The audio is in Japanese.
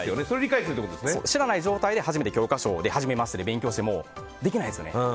知らない状態で初めて教科書ではじめましてで勉強してもできないですよね。